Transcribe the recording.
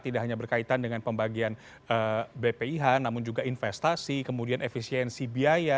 tidak hanya berkaitan dengan pembagian bpih namun juga investasi kemudian efisiensi biaya